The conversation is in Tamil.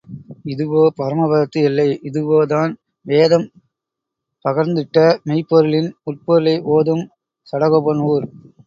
இதுவோ பரம பதத்து எல்லை இதுவோ தான் வேதம் பகர்ந்திட்ட மெய்ப்பொருளின் உட்பொருளை ஓதும் சடகோபன் ஊர்?